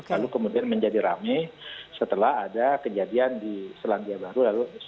lalu kemudian menjadi rame setelah ada kejadian di selandia baru